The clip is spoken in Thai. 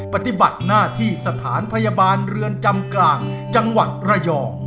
ปฏิบัติหน้าที่สถานพยาบาลเรือนจำกลางจังหวัดระยอง